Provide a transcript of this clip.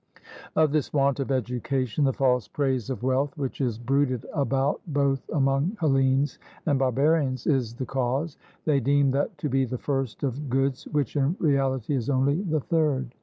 Of this want of education, the false praise of wealth which is bruited about both among Hellenes and barbarians is the cause; they deem that to be the first of goods which in reality is only the third.